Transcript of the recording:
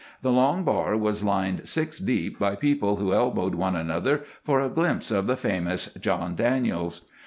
The long bar was lined six deep by people who elbowed one another for a glimpse of the famous John Daniels.